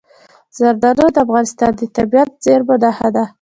زردالو د افغانستان د طبیعي زیرمو برخه ده.